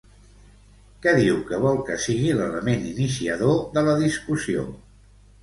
Què diu que vol que sigui l'element iniciador de la discussió?